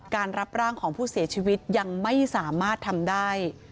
รับร่างของผู้เสียชีวิตยังไม่สามารถทำได้